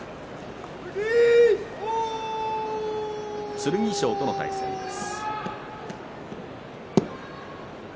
剣翔との対戦です。